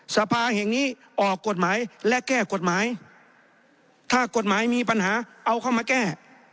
สภาแห่งนี้ออกกฎหมายและแก้กฎหมายถ้ากฎหมายมีปัญหาเอาเข้ามาแก้